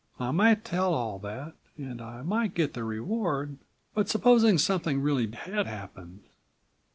"I might tell all that and I might get the reward, but supposing something really had happened?